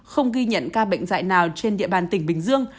không ghi nhận ca bệnh dạy nào trên địa bàn tỉnh bình dương